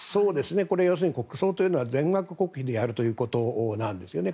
要するに国葬というのは全額国費でやるということなんですね。